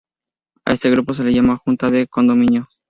A este grupo se le llama Junta de Condominio.